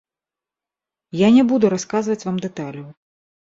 Я не буду расказваць вам дэталяў.